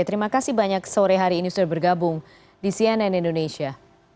terima kasih banyak sore hari ini sudah bergabung di cnn indonesia